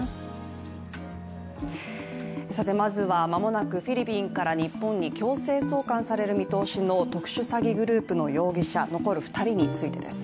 まずは、間もなくフィリピンから日本に強制送還される見通しの特殊詐欺グループの容疑者、残る２人についてです。